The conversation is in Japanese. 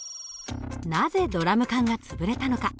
なぜドラム缶が潰れたのか。